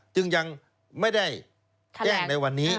จึงยังไม่ได้แจ้งในวันนี้